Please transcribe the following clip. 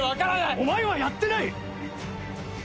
お前はやってない！